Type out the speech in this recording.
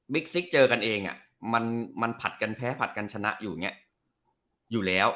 บิ๊กซิกเจอกันเองมันผลัดกันแพ้ไฟล์กันชนะอยู่แล้ว